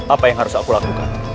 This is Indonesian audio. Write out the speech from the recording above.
apa yang harus aku lakukan